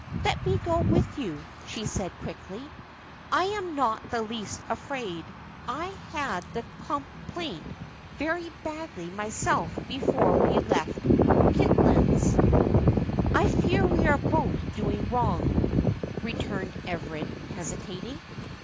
"Let me go with you," she said, quickly; "I am not the least afraid. I had the complaint very badly myself before we left Kitlands." "I fear we are both doing wrong," returned Everard, hesitating.